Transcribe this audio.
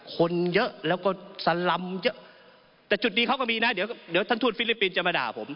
คนเยอะแล้วก็สลำเยอะแต่จุดดีเขาก็มีนะเดี๋ยวท่านทูตฟิลิปปินส์จะมาด่าผม